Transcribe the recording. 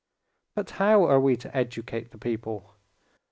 "But how are we to educate the people?"